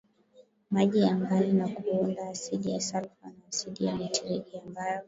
maji angani na kuunda asidi ya salfa na asidi ya nitriki ambayo